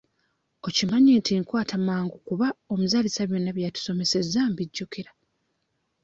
Okimanyi nti nkwata mangu kuba omuzaalisa byonna bye yatusomesezza mbijjukira?